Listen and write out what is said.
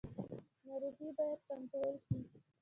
ناروغي باید کنټرول شي